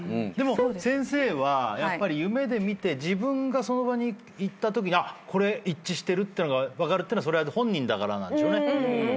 でも先生はやっぱり夢で見て自分がその場に行ったときに「あっ。これ一致してる」って分かるってのはそれは本人だからなんでしょうね。